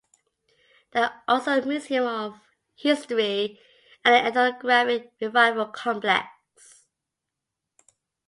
There are also a Museum of History and an Ethnographic and Revival Complex.